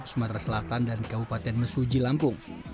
sumatera selatan dan kabupaten mesuji lampung